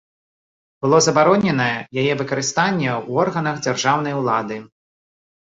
Было забароненае яе выкарыстанне ў органах дзяржаўнай улады.